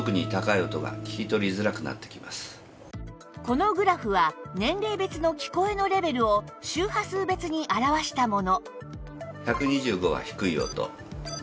このグラフは年齢別の聞こえのレベルを周波数別に表したもの